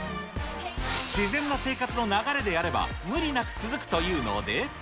自然な生活の流れでやれば、無理なく続くというので。